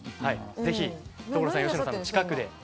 ぜひ所さん佳乃さんの近くで。